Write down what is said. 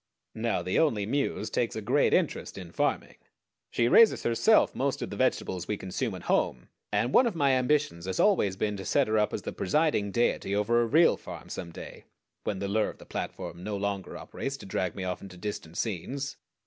Now the Only Muse takes a great interest in farming. She raises herself most of the vegetables we consume at home, and one of my ambitions has always been to set her up as the presiding Deity over a real farm some day when the lure of the platform no longer operates to drag me off into distant scenes.